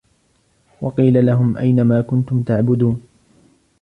وَقِيلَ لَهُمْ أَيْنَ مَا كُنْتُمْ تَعْبُدُونَ